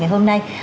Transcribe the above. ngày hôm nay